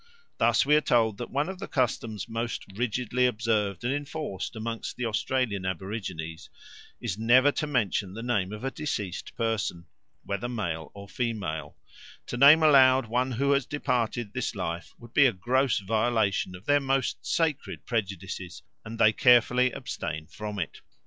Thus we are told that one of the customs most rigidly observed and enforced amongst the Australian aborigines is never to mention the name of a deceased person, whether male or female; to name aloud one who has departed this life would be a gross violation of their most sacred prejudices, and they carefully abstain from it.